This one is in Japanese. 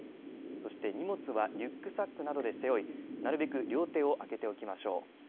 そして荷物はリュックサックなどで背負い、なるべく両手をあけておきましょう。